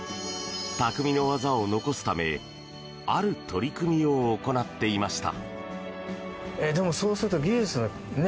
たくみの技を残すためある取り組みを行っていました。